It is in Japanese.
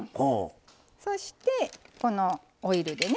そしてこのオイルでね